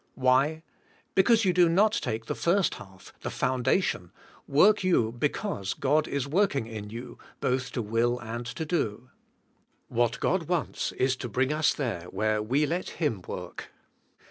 Why? Because you do not take the first half— the foundation— work you because God is working in you, both to will and to do. What God wants is to bring" us there where we let Him work.